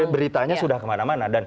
beritanya sudah kemana mana